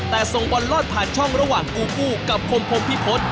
แต่ส่งบอลลอดผ่านช่องระหว่างกูกู้กับคมพรมพิพฤษ